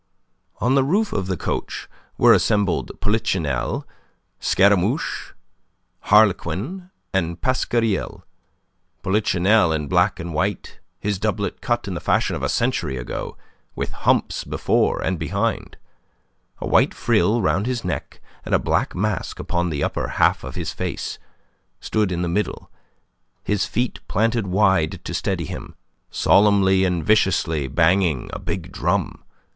On the roof of the coach were assembled Polichinelle, Scaramouche, Harlequin, and Pasquariel. Polichinelle in black and white, his doublet cut in the fashion of a century ago, with humps before and behind, a white frill round his neck and a black mask upon the upper half of his face, stood in the middle, his feet planted wide to steady him, solemnly and viciously banging a big drum.